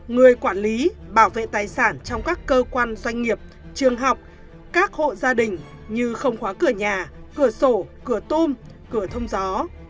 người quản lý bảo vệ tài sản trong các cơ quan doanh nghiệp trường học các hộ gia đình như không khóa cửa nhà cửa sổ cửa tôm cửa thông gió